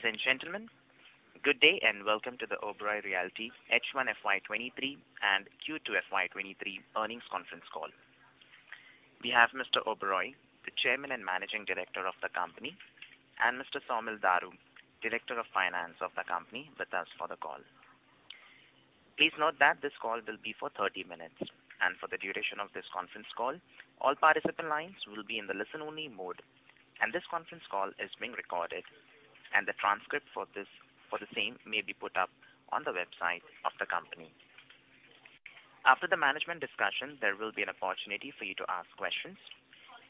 Ladies and gentlemen, good day and welcome to the Oberoi Realty H1 FY23 and Q2 FY23 Earnings Conference Call. We have Mr. Oberoi, the Chairman and Managing Director of the company, and Mr. Saumil Daru, Director of Finance of the company, with us for the call. Please note that this call will be for 30 minutes. For the duration of this conference call, all participant lines will be in the listen-only mode. This conference call is being recorded, and the transcript for this, for the same may be put up on the website of the company. After the management discussion, there will be an opportunity for you to ask questions.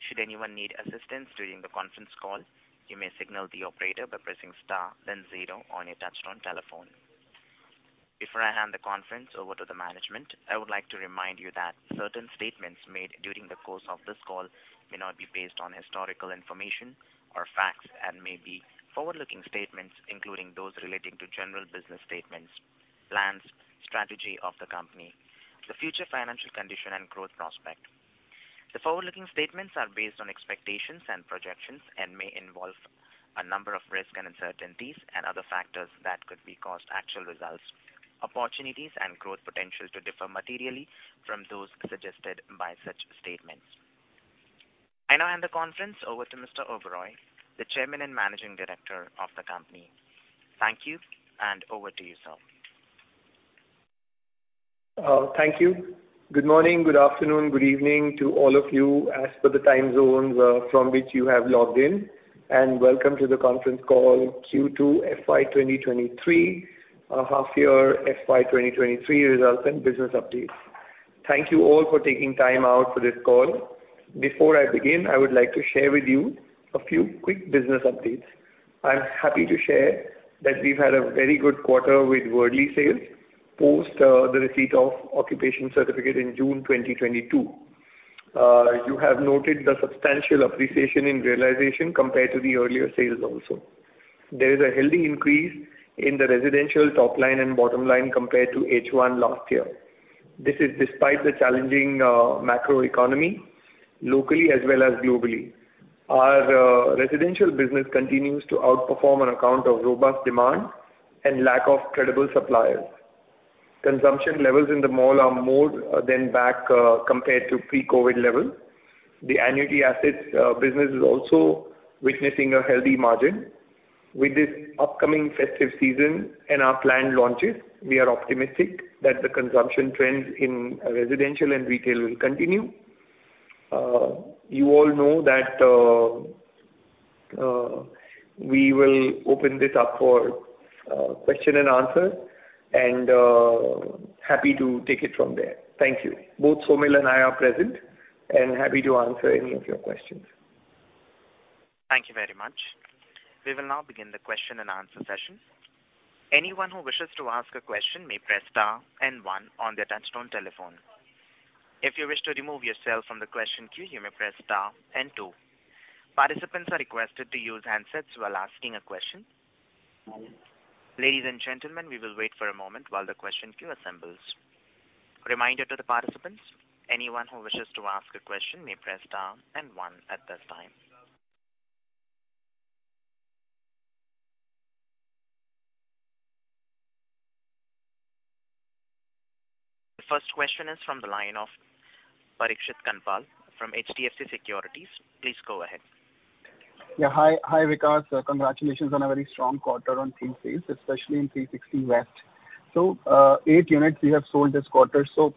Should anyone need assistance during the conference call, you may signal the operator by pressing star then zero on your touchtone telephone. Before I hand the conference over to the management, I would like to remind you that certain statements made during the course of this call may not be based on historical information or facts and may be forward-looking statements, including those relating to general business statements, plans, strategy of the company, the future financial condition and growth prospect. The forward-looking statements are based on expectations and projections and may involve a number of risks and uncertainties and other factors that could cause actual results, opportunities and growth potential to differ materially from those suggested by such statements. I now hand the conference over to Mr. Oberoi, the Chairman and Managing Director of the company. Thank you, and over to you, sir. Thank you. Good morning, good afternoon, good evening to all of you as per the time zones from which you have logged in. Welcome to the conference call Q2 FY 2023, our half year FY 2023 results and business updates. Thank you all for taking time out for this call. Before I begin, I would like to share with you a few quick business updates. I'm happy to share that we've had a very good quarter with Worli sales post the receipt of occupation certificate in June 2022. You have noted the substantial appreciation in realization compared to the earlier sales also. There is a healthy increase in the residential top line and bottom line compared to H1 last year. This is despite the challenging macro economy locally as well as globally. Our residential business continues to outperform on account of robust demand and lack of credible suppliers. Consumption levels in the mall are more than back compared to pre-COVID levels. The annuity assets business is also witnessing a healthy margin. With this upcoming festive season and our planned launches, we are optimistic that the consumption trends in residential and retail will continue. You all know that we will open this up for question and answer and happy to take it from there. Thank you. Both Saumil and I are present and happy to answer any of your questions. Thank you very much. We will now begin the question and answer session. Anyone who wishes to ask a question may press star and one on their touchtone telephone. If you wish to remove yourself from the question queue, you may press star and two. Participants are requested to use handsets while asking a question. Ladies and gentlemen, we will wait for a moment while the question queue assembles. Reminder to the participants, anyone who wishes to ask a question may press star and one at this time. The first question is from the line of Parikshit Kandpal from HDFC Securities. Please go ahead. Yeah. Hi, hi, Vikas. Congratulations on a very strong quarter on Three Sixty West, especially in Three Sixty West. Eight units you have sold this quarter, so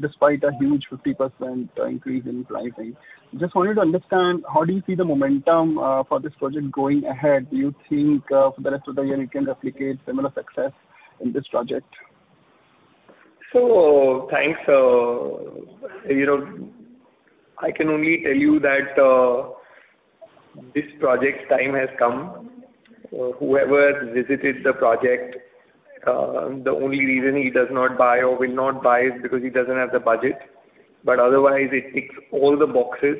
despite a huge 50% increase in pricing. Just wanted to understand how do you see the momentum for this project going ahead? Do you think for the rest of the year you can replicate similar success in this project? Thanks. You know, I can only tell you that this project's time has come. Whoever has visited the project, the only reason he does not buy or will not buy is because he doesn't have the budget. Otherwise, it ticks all the boxes.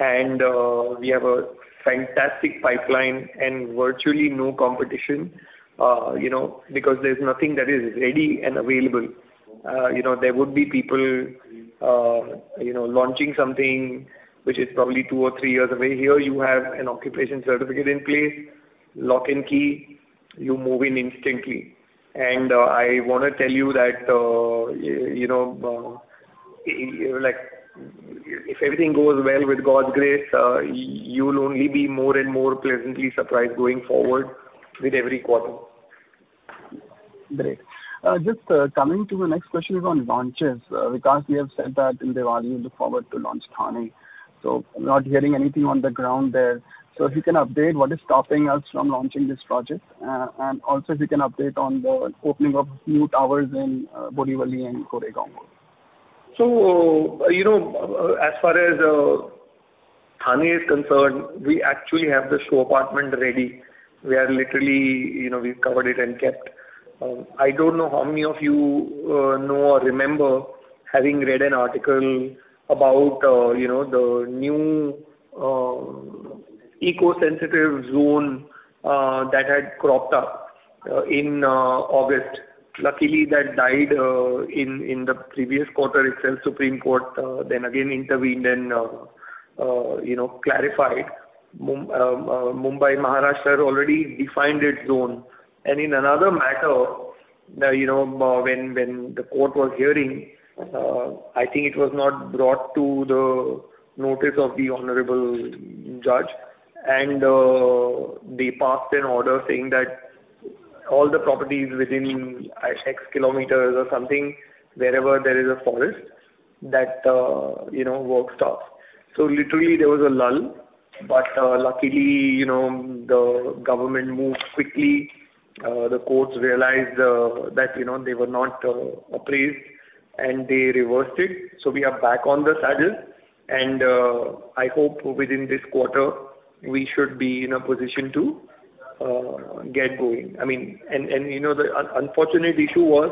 And uh we have a fantastic pipeline and virtually no competition, you know, because there's nothing that is ready and available. You know, there would be people, uh you know, launching something which is probably two or three years away. Here you have an occupation certificate in place, lock and key, you move in instantly. And I wanna tell you that, uh you know, like if everything goes well with God's grace, you'll only be more and more pleasantly surprised going forward with every quarter. Great. Just coming to the next question is on launches. Vikas, you have said that in Diwali you look forward to launch Thane. Not hearing anything on the ground there. If you can update what is stopping us from launching this project, and also if you can update on the opening of new towers in Borivali and Goregaon. You know, as far as Thane is concerned, we actually have the show apartment ready. We are literally, you know, we've covered it and kept. I don't know how many of you know or remember having read an article about, you know, the new uh Eco-Sensitive Zone uh that had cropped up in uh August. Luckily, that died in the previous quarter itself. Supreme Court then again intervened and, you know, clarified. Mumbai, Maharashtra had already defined its zone. In another matter, you know, when the court was hearing, I think it was not brought to the notice of the honorable judge. They passed an order saying that all the properties within x kilometers or something, wherever there is a forest that, you know, work stops. Literally, there was a lull. But luckily, you know, the government moved quickly. The courts realized that, you know, they were not apprised, and they reversed it. We are back in the saddle, and uh I hope within this quarter we should be in a position to uh get going. You know, the unfortunate issue was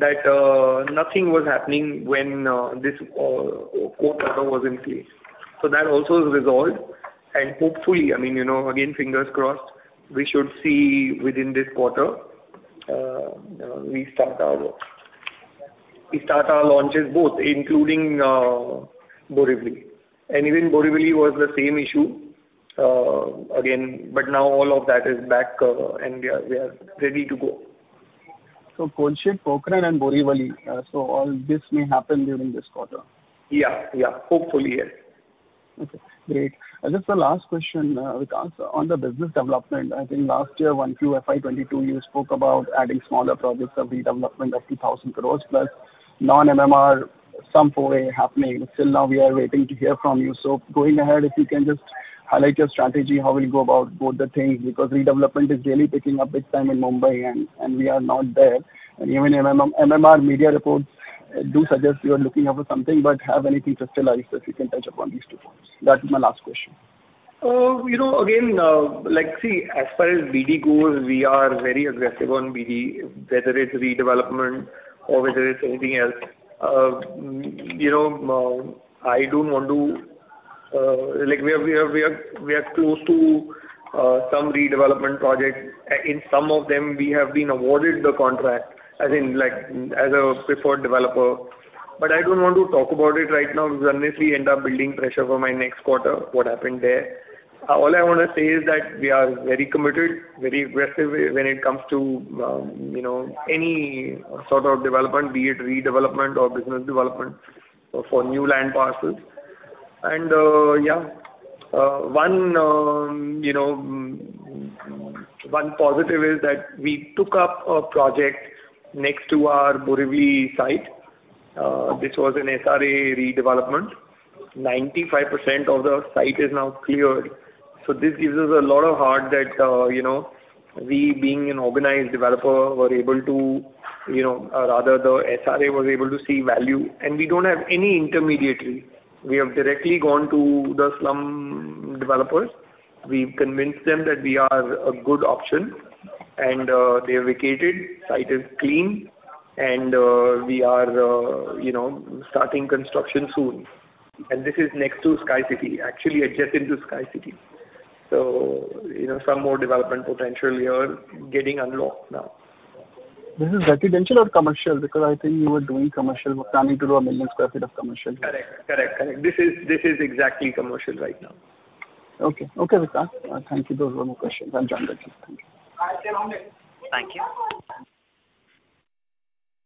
that uh nothing was happening when uh this court order was in place. That also is resolved. Hopefully, you know, again, fingers crossed, we should see within this quarter we start our launches both including Borivali. Even Borivali was the same issue again, but now all of that is back, and we are ready to go. Kolshet, Pokhran, and Borivali, so all this may happen during this quarter? Yeah, yeah. Hopefully, yes. Okay, great. Just the last question, Vikas. On the business development, I think last year, 1Q FY 2022, you spoke about adding smaller projects of redevelopment of 2,000 crore plus non-MMR, some FAR happening. Still, now we are waiting to hear from you. Going ahead, if you can just highlight your strategy, how will you go about both the things? Because redevelopment is really picking up its time in Mumbai, and we are not there. Even MMR media reports do suggest you are looking out for something, but have anything just to like if you can touch upon these two points. That's my last question. You know, again, like, see, as far as BD goes, we are very aggressive on BD, whether it's redevelopment or whether it's anything else. Like we are close to some redevelopment projects. In some of them, we have been awarded the contract as in like, as a preferred developer. But I don't want to talk about it right now 'cause honestly end up building pressure for my next quarter, what happened there. All I wanna say is that we are very committed, very aggressive when it comes to, you know, any sort of development, be it redevelopment or business development for new land parcels. And one positive is that we took up a project next to our Borivali site, which was an SRA redevelopment. 95% of the site is now cleared, so this gives us a lot of heart that, you know, we being an organized developer were able to, you know, rather the SRA was able to see value. We don't have any intermediary. We have directly gone to the some developers. We've convinced them that we are a good option, and they vacated. Site is clean and we are, you know, starting construction soon. This is next to Sky City, actually adjacent to Sky City. You know, some more development potential we are getting unlocked now. This is residential or commercial? Because I think you were doing commercial. You were planning to do 1 million sq ft of commercial. Correct. This is exactly commercial right now. Okay. Okay, Vikas. Thank you. Those were my questions. I'm done. Thank you. I stay on it. Thank you.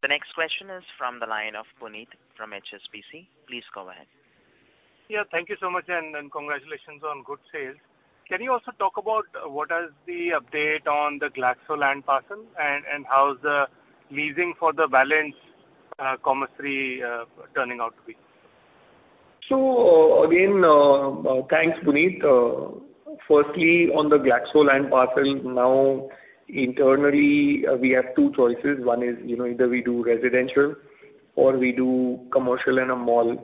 The next question is from the line of Puneet from HSBC. Please go ahead. Yeah, thank you so much and congratulations on good sales. Can you also talk about what is the update on the GlaxoSmithKline land parcel and how's the leasing for the balance, Commerz III, turning out to be? Again, thanks, Puneet. Firstly, on the Glaxo land parcel, now internally, we have two choices. One is, you know, either we do residential or we do commercial and a mall.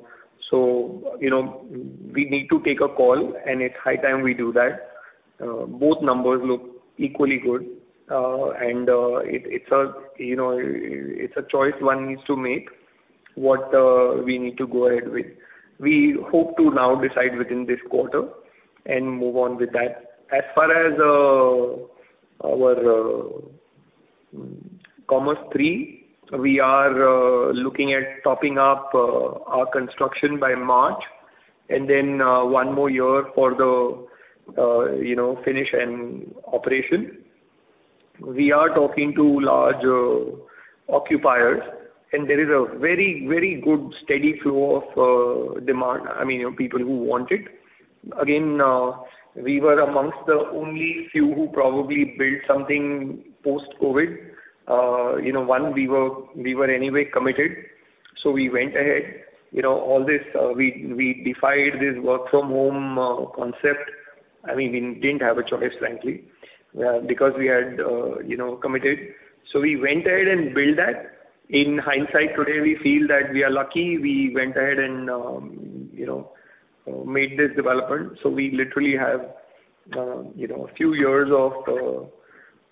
We need to take a call, and it's high time we do that. Both numbers look equally good. And uh it's a, you know, it's a choice one needs to make, what uh we need to go ahead with. We hope to now decide within this quarter and move on with that. As far as uh our uh Commerz III, we are looking at topping up our construction by March and then one more year for the, you know, finish and operation. We are talking to large occupiers, and there is a very, very good steady flow of demand. I mean, you know, people who want it. Again, we were amongst the only few who probably built something post-COVID. You know, we were anyway committed, so we went ahead. You know, all this, we defied this work from home concept. I mean, we didn't have a choice, frankly, because we had committed. We went ahead and built that. In hindsight today, we feel that we are lucky we went ahead and made this development. We literally have a few years of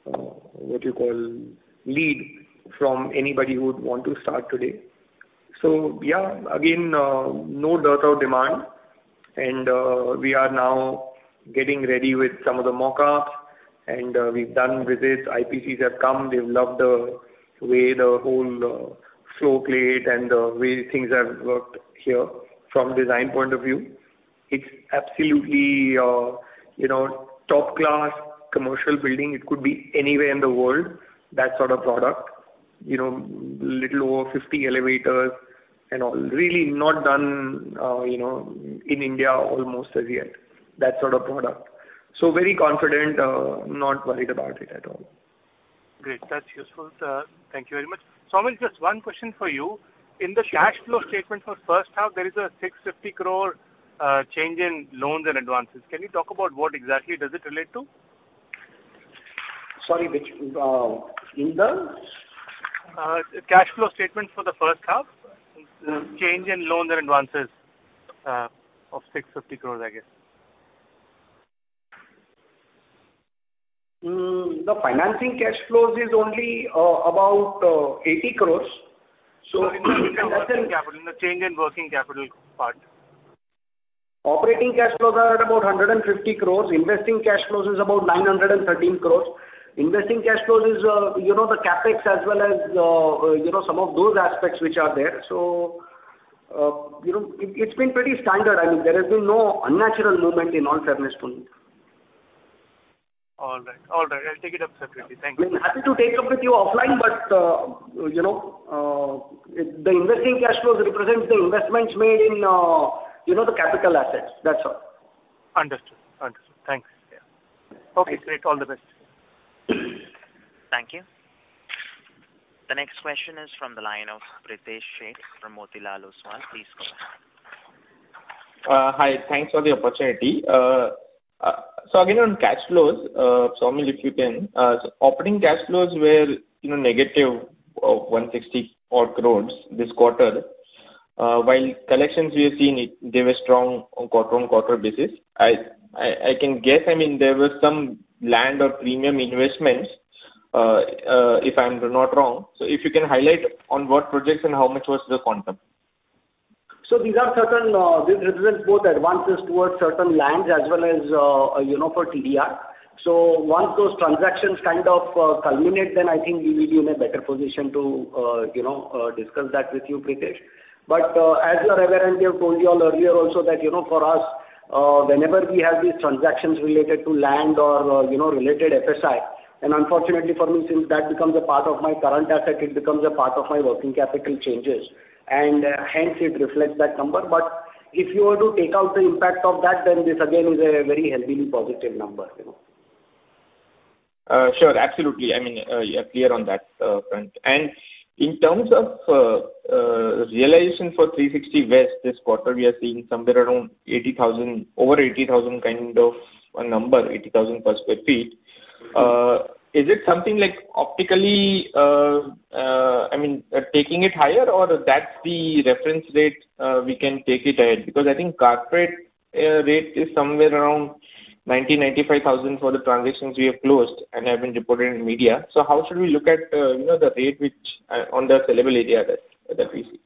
what you call lead from anybody who would want to start today. Yeah, again, no doubt of demand. We are now getting ready with some of the mock-ups, and we've done visits. IPCs have come. They've loved the way the whole flow played and the way things have worked here from design point of view. It's absolutely, you know, top-class commercial building. It could be anywhere in the world, that sort of product. You know, little over 50 elevators and all. Really not done, you know, in India almost as yet, that sort of product. Very confident, not worried about it at all. Great. That's useful, sir. Thank you very much. Saumil, just one question for you. In the cash flow statement for first half, there is a 650 crore change in loans and advances. Can you talk about what exactly does it relate to? Sorry, which, in the? Cash flow statement for the first half. Change in loans and advances of 650 crores, I guess. The financing cash flows is only about 80 crore. Sorry, no, in the working capital, in the change in working capital part. Operating cash flows are at about 150 crores. Investing cash flows is about 913 crores. Investing cash flows is, you know, the CapEx as well as, you know, some of those aspects which are there. You know, it's been pretty standard. I mean, there has been no unnatural movement in all fairness to it. All right. All right. I'll take it up separately. Thank you. I mean, happy to take up with you offline, but, uh you know, uh the investing cash flows represents the investments made in, uh you know, the capital assets. That's all. Understood. Thanks. Yeah. Okay, great. All the best. Thank you. The next question is from the line of Pritesh Sheth from Motilal Oswal. Please go ahead. Hi. Thanks for the opportunity. Again, on cash flows, Saumil, if you can, operating cash flows were, you know, negative 160 odd crores this quarter. While collections we have seen it, they were strong on quarter-on-quarter basis. I can guess, I mean, there were some land or premium investments, if I'm not wrong. If you can highlight on what projects and how much was the quantum. These represent both advances towards certain lands as well as, you know, for TDR. Once those transactions kind of culminate, then I think we will be in a better position to, you know, discuss that with you, Pritesh. As you're aware, and we have told you all earlier also that, you know, for us, whenever we have these transactions related to land or, you know, related FSI, and unfortunately for me, since that becomes a part of my current asset, it becomes a part of my working capital changes, and hence it reflects that number. If you were to take out the impact of that, then this again is a very healthily positive number, you know. Sure. Absolutely. I mean, yeah, clear on that front. In terms of realization for Three Sixty West this quarter, we are seeing somewhere around 80,000, over 80,000 kind of a number, 80,000 per sq ft. Is it something like optically, I mean, taking it higher or that's the reference rate we can take it ahead? Because I think carpet rate is somewhere around 90,000-95,000 for the transactions we have closed and have been reported in media. How should we look at, you know, the rate which on the saleable area that we see?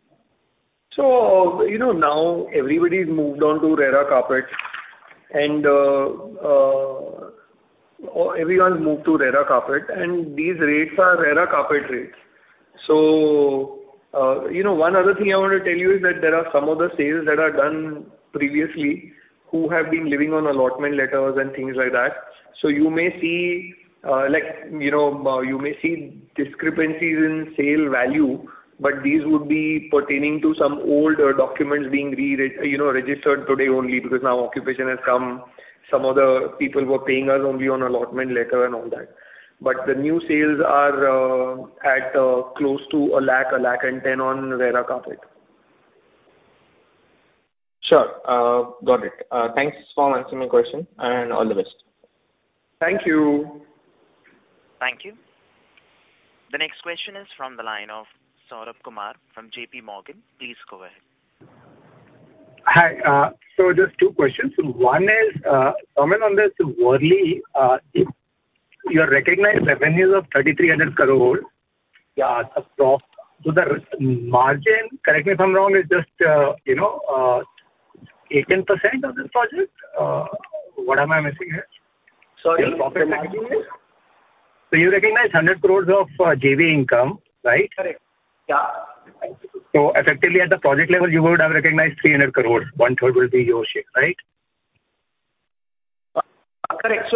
You know, now everybody's moved on to RERA carpet, and these rates are RERA carpet rates. You know, one other thing I want to tell you is that there are some of the sales that are done previously who have been living on allotment letters and things like that. You may see, like, you know, discrepancies in sale value, but these would be pertaining to some old documents being registered today only because now occupation has come. Some of the people were paying us only on allotment letter and all that. The new sales are at close to 1.1 lakh on RERA carpet. Sure. Got it. Thanks for answering my question, and all the best. Thank you. Thank you. The next question is from the line of Saurabh Kumar from JP Morgan. Please go ahead. Hi. Just two questions. One is, comment on this Worli, if you have recognized revenues of 3,300 crore, yeah, as a profit. The margin, correct me if I'm wrong, is just, you know, 18% of this project. What am I missing here? Sorry, repeat. Profit margin is? You recognize 100 crores of JV income, right? Correct. Yeah. Effectively, at the project level, you would have recognized 300 crore. One third will be your share, right? Correct.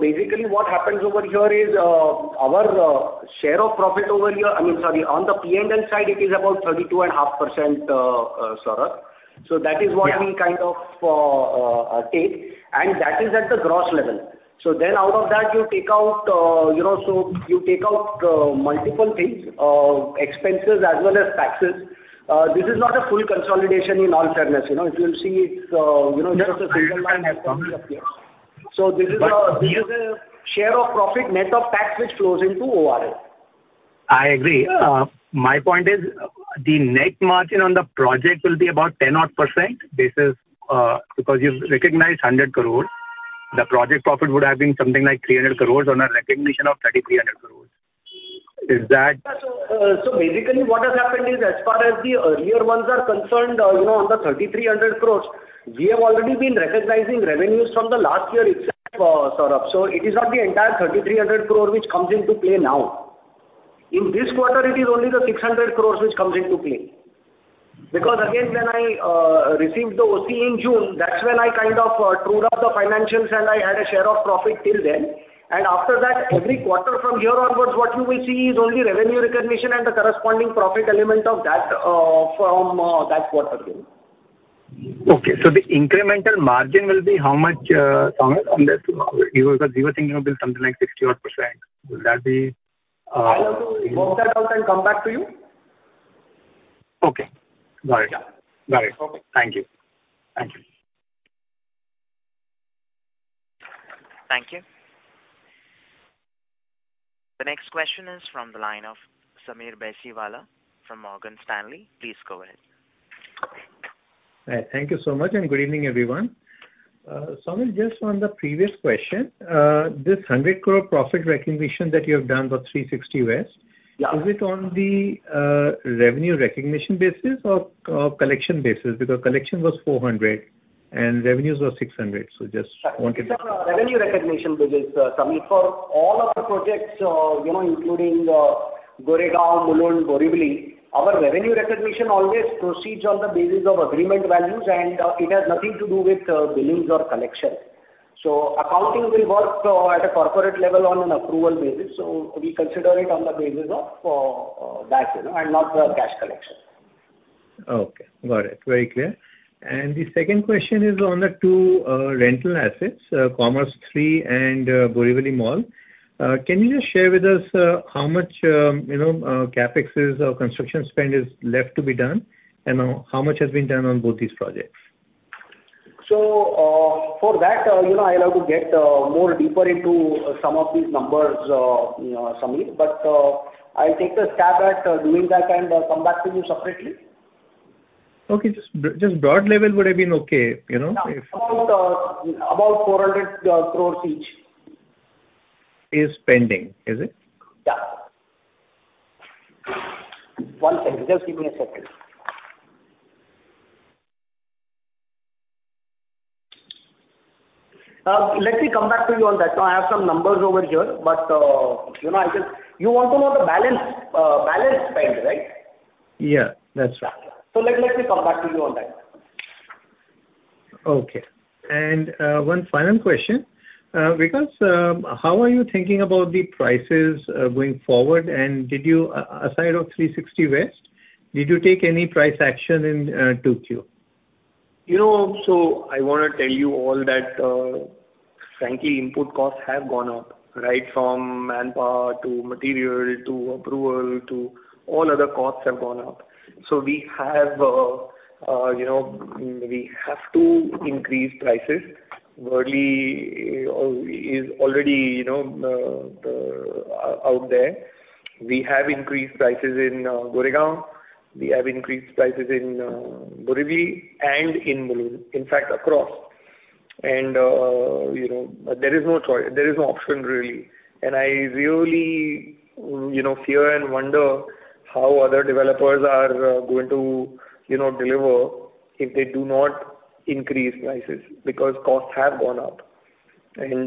Basically what happens over here is, our share of profit over here, I mean, sorry, on the P&L side, it is about 32.5%, Saurabh. Yeah. That is what we kind of take, and that is at the gross level. Then out of that, you take out, you know, multiple things, expenses as well as taxes. This is not a full consolidation in all fairness. You know, if you'll see, it's, uh you know, just a single line item which appears. But- This is a. Yes. This is a share of profit net of tax which flows into ORL. I agree. My point is the net margin on the project will be about 10-odd%. This is because you've recognized 100 crore. The project profit would have been something like 300 crores on a recognition of 3,300 crores. Is that? Basically what has happened is as far as the earlier ones are concerned, you know, on the 3,300 crore, we have already been recognizing revenues from the last year itself, Saurabh. It is not the entire 3,300 crore which comes into play now. In this quarter it is only the 600 crore which comes into play. Because again, when I received the OC in June, that's when I kind of trued up the financials and I had a share of profit till then. After that, every quarter from here onwards, what you will see is only revenue recognition and the corresponding profit element of that from that quarter view. Okay. The incremental margin will be how much, Saurabh, on this? You were thinking it would be something like 60 odd %. Will that be, I'll have to work that out and come back to you. Okay. Got it. Okay. Thank you. Thank you. Thank you. The next question is from the line of Sameer Baisiwala from Morgan Stanley. Please go ahead. Thank you so much, and good evening, everyone. Saurabh, just on the previous question, this 100 crore profit recognition that you have done for Three Sixty West. Yeah. Is it on the uh revenue recognition basis or collection basis? Because collection was 400 and revenues were 600. Just wanted to- It's on a revenue recognition basis, Sameer. For all of our projects, you know, including Goregaon, Mulund, Borivali, our revenue recognition always proceeds on the basis of agreement values, and it has nothing to do with billings or collection. Accounting will work at a corporate level on an approval basis. We consider it on the basis of that, you know, and not the cash collection. Okay. Got it. Very clear. The second question is on the two rental assets, Commerz III and Sky City Mall. Can you just share with us how much you know CapEx or construction spend is left to be done, and how much has been done on both these projects? For that, you know, I'll have to get more deeper into some of these numbers, Sameer, but I'll take a stab at doing that and come back to you separately. Okay. Just broad level would have been okay, you know, if- Yeah. About 400 crores each. Is pending, is it? Yeah. One second. Just give me a second. Let me come back to you on that. No, I have some numbers over here, but, you know, you want to know the balance spend, right? Yeah, that's right. Let me come back to you on that. Okay. One final question. Vikas, how are you thinking about the prices going forward? Did you, aside from Three Sixty West, take any price action in 2Q? You know, I wanna tell you all that, frankly, input costs have gone up, right? From manpower to material to approval to all other costs have gone up. We have, you know, we have to increase prices. Worli is already, you know, out there. We have increased prices in Goregaon, we have increased prices in Borivali and in Mulund, in fact, across. You know, there is no choice. There is no option really. I really, you know, fear and wonder how other developers are going to, you know, deliver if they do not increase prices, because costs have gone up. You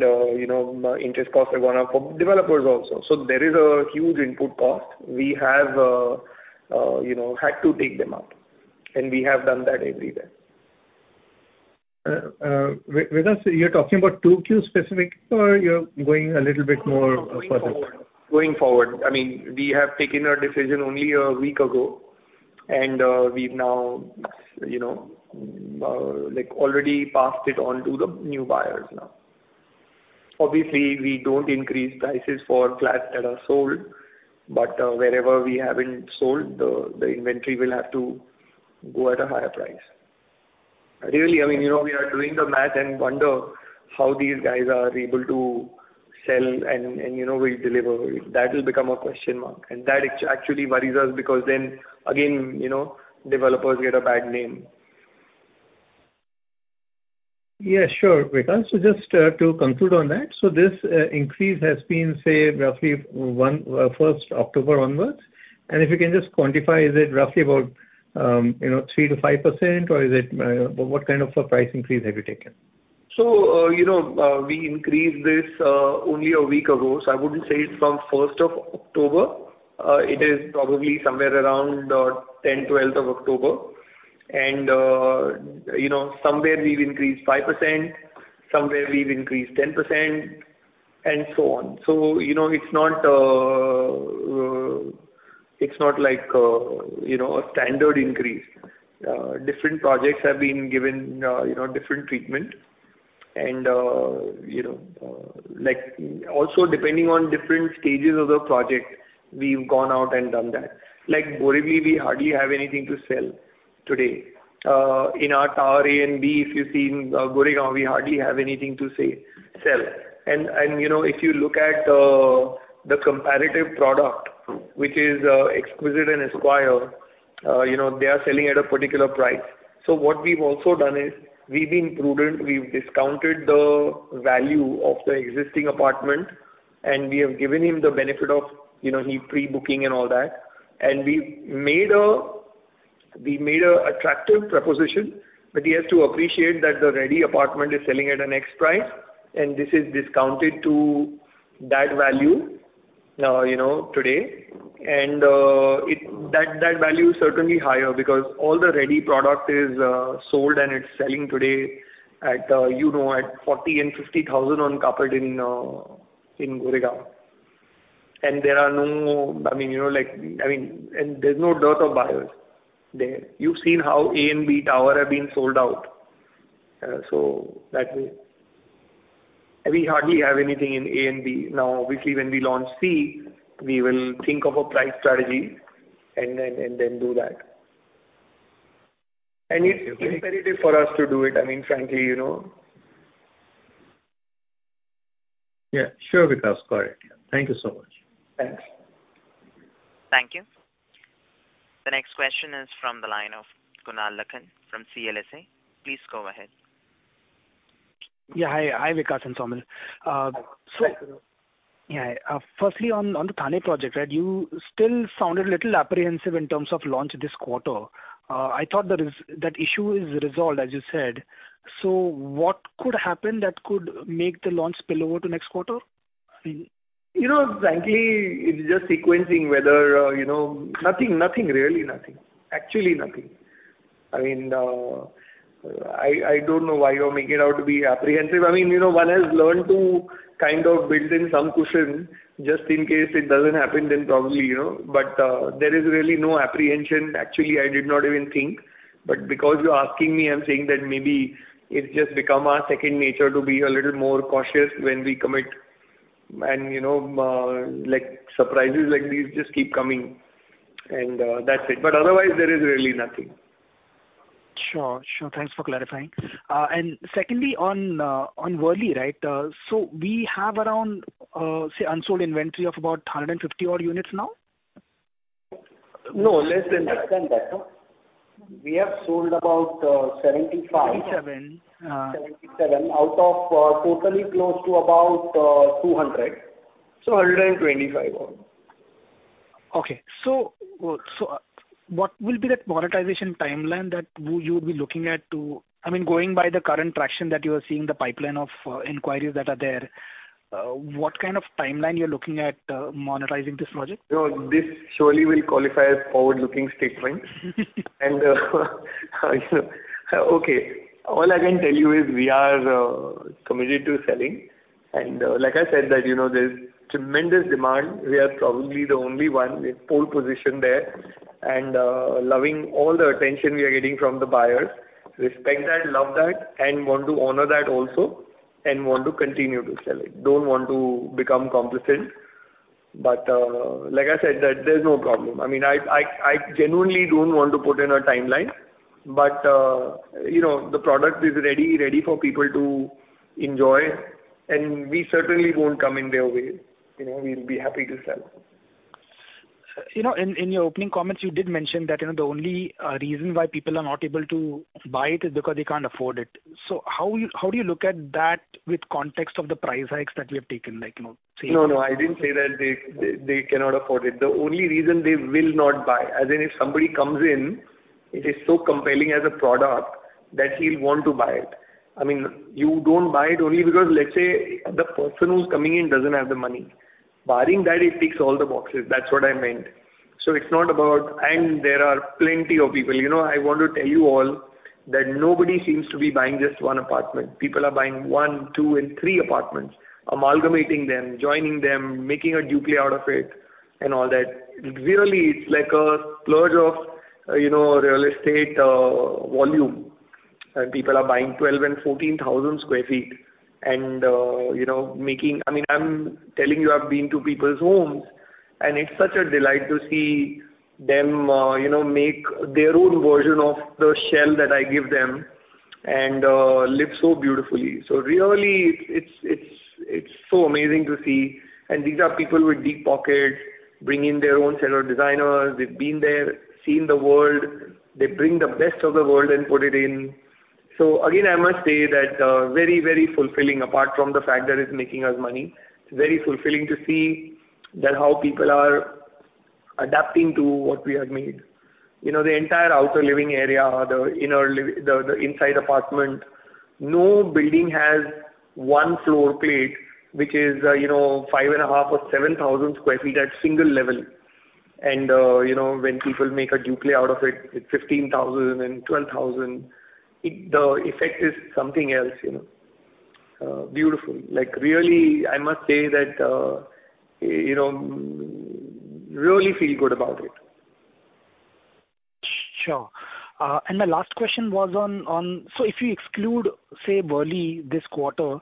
know, interest costs have gone up for developers also. There is a huge input cost. We have, you know, had to take them up, and we have done that everywhere. Vikas, you're talking about 2Q specific or you're going a little bit more further? Going forward. I mean, we have taken our decision only a week ago, and we've now, you know, like already passed it on to the new buyers now. Obviously, we don't increase prices for flats that are sold, but wherever we haven't sold, the inventory will have to go at a higher price. Really, I mean, you know, we are doing the math and wonder how these guys are able to sell and, you know, will deliver. That will become a question mark, and that actually worries us because then again, you know, developers get a bad name. Yeah, sure, Vikas. Just to conclude on that, this increase has been, say, roughly from first October onwards, and if you can just quantify, is it roughly about, you know, 3%-5% or is it what kind of a price increase have you taken? You know, we increased this only a week ago, so I wouldn't say it's from first of October. It is probably somewhere around tenth, twelfth of October. You know, somewhere we've increased 5%, somewhere we've increased 10%, and so on. You know, it's not like a standard increase. Different projects have been given you know different treatment and you know like also depending on different stages of the project, we've gone out and done that. Like Borivali, we hardly have anything to sell today. In our tower A and B, if you've seen, Goregaon, we hardly have anything to sell. You know, if you look at the comparative product, which is Exquisite and Esquire, you know, they are selling at a particular price. What we've also done is we've been prudent. We've discounted the value of the existing apartment, and we have given him the benefit of, you know, the pre-booking and all that. We made an attractive proposition, but he has to appreciate that the ready apartment is selling at an X price, and this is discounted to that value, you know, today. That value is certainly higher because all the ready product is sold and it's selling today at, you know, at 40,000-50,000 on carpet in Goregaon. I mean, you know, like, there is no dearth of buyers there. You've seen how A and B tower have been sold out. That way. We hardly have anything in A and B. Now, obviously, when we launch C, we will think of a price strategy and then do that. It's imperative for us to do it. I mean, frankly, you know. Yeah, sure, Vikas. Got it. Thank you so much. Thanks. Thank you. The next question is from the line of Kunal Lakhan from CLSA. Please go ahead. Yeah. Hi. Hi, Vikas and Saumil. Hi, Kunal. Yeah. Firstly, on the Thane project, right? You still sounded a little apprehensive in terms of launch this quarter. I thought that issue is resolved, as you said. What could happen that could make the launch spill over to next quarter? You know, frankly, it's just sequencing whether nothing, really nothing. Actually nothing. I mean, I don't know why you're making it out to be apprehensive. I mean, you know, one has learned to kind of build in some cushion just in case it doesn't happen then probably, you know. There is really no apprehension. Actually, I did not even think. Because you're asking me, I'm saying that maybe it's just become our second nature to be a little more cautious when we commit and, you know, like, surprises like these just keep coming, and, that's it. Otherwise, there is really nothing. Sure. Thanks for clarifying. Secondly, on Worli, right? We have around, say, unsold inventory of about 150-odd units now? No, less than that. Less than that, no. We have sold about 75. 77. 77 out of, totally close to about, 200. 125 odd. Okay. What will be that monetization timeline that you will be looking at, I mean, going by the current traction that you are seeing, the pipeline of inquiries that are there, what kind of timeline you're looking at, monetizing this project? You know, this surely will qualify as forward-looking statement. All I can tell you is we are committed to selling. Like I said, you know, there's tremendous demand. We are probably the only one with pole position there. Loving all the attention we are getting from the buyers. Respect that, love that, and want to honor that also, and want to continue to sell it. Don't want to become complacent. Like I said, there's no problem. I mean, I genuinely don't want to put in a timeline, but you know, the product is ready for people to enjoy, and we certainly won't come in their way. You know, we'll be happy to sell. You know, in your opening comments, you did mention that, you know, the only reason why people are not able to buy it is because they can't afford it. How do you look at that in the context of the price hikes that we have taken, like, you know? No, no, I didn't say that they cannot afford it. The only reason they will not buy, as in if somebody comes in, it is so compelling as a product that he'll want to buy it. I mean, you don't buy it only because let's say the person who's coming in doesn't have the money. Barring that, it ticks all the boxes. That's what I meant. It's not about. There are plenty of people. You know, I want to tell you all that nobody seems to be buying just one apartment. People are buying one, two, and three apartments, amalgamating them, joining them, making a duplex out of it, and all that. Really, it's like a splurge of, you know, real estate volume. People are buying 12,000 and 14,000 sq ft and, you know, making. I mean, I'm telling you, I've been to people's homes, and it's such a delight to see them, you know, make their own version of the shell that I give them and, live so beautifully. Really it's so amazing to see. These are people with deep pockets bringing their own set of designers. They've been there, seen the world. They bring the best of the world and put it in. Again, I must say that, very, very fulfilling apart from the fact that it's making us money. It's very fulfilling to see that how people are adapting to what we have made. You know, the entire outer living area, the inside apartment. No building has one floor plate, which is, 5.5 or 7,000 sq ft at single level. You know, when people make a duplex out of it's 15,000 and then 12,000. The effect is something else, you know. Beautiful. Like, really, I must say that you know, really feel good about it. Sure. My last question was on if you exclude, say, Worli this quarter,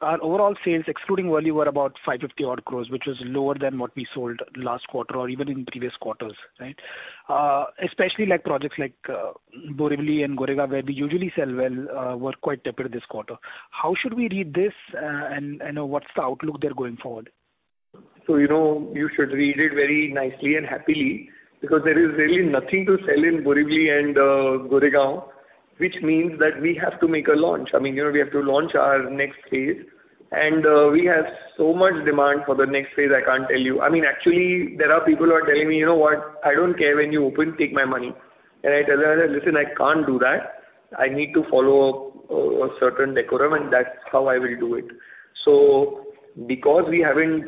our overall sales excluding Worli were about 550 odd crores, which was lower than what we sold last quarter or even in previous quarters, right? Especially like projects like Borivali and Goregaon, where we usually sell well, were quite tepid this quarter. How should we read this, and what's the outlook there going forward? You know, you should read it very nicely and happily because there is really nothing to sell in Borivali and Goregaon, which means that we have to make a launch. I mean, you know, we have to launch our next phase, and we have so much demand for the next phase, I can't tell you. I mean, actually, there are people who are telling me: "You know what? I don't care when you open, take my money." I tell them: "Listen, I can't do that. I need to follow a certain decorum, and that's how I will do it." Because we haven't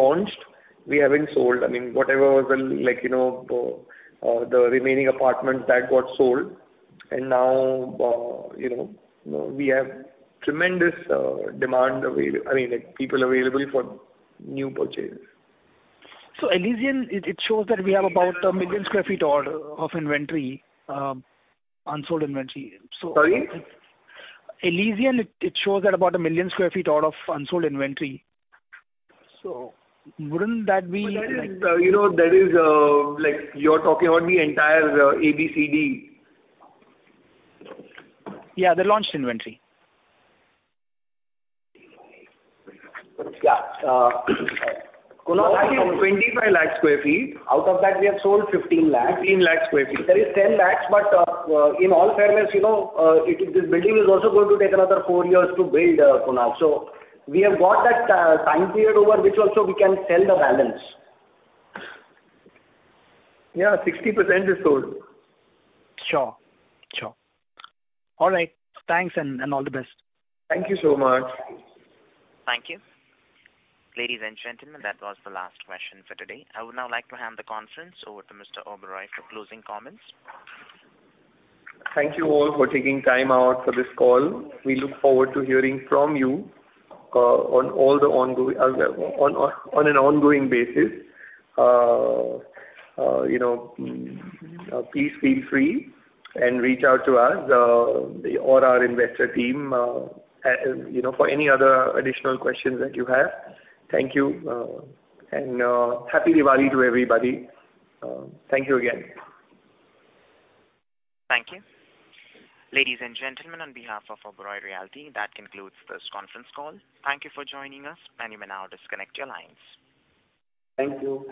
launched, we haven't sold. I mean, whatever was like, you know, the remaining apartments that got sold. And now, you know, we have tremendous demand. I mean, like, people available for new purchases. Elysian, it shows that we have about 1 million sq ft or so of inventory, unsold inventory. Sorry. Elysian, it shows that about 1 million sq ft order of unsold inventory. Wouldn't that be like- You know, there is like you're talking about the entire A, B, C, D. Yeah, the launched inventory. Yeah. Kunal- 25 lakh sq ft. Out of that, we have sold 15 lakh. 15 lakh sq ft. There is 10 lakh, but in all fairness, you know, this building is also going to take another 4 years to build, Kunal. So we have got that time period over which also we can sell the balance. Yeah, 60% is sold. Sure. All right. Thanks, and all the best. Thank you so much. Thank you. Ladies and gentlemen, that was the last question for today. I would now like to hand the conference over to Vikas Oberoi for closing comments. Thank you all for taking time out for this call. We look forward to hearing from you on all the ongoing on an ongoing basis. You know, please feel free and reach out to us or our investor team, you know, for any other additional questions that you have. Thank you, and Happy Diwali to everybody. Thank you again. Thank you. Ladies and gentlemen, on behalf of Oberoi Realty, that concludes this conference call. Thank you for joining us, and you may now disconnect your lines. Thank you.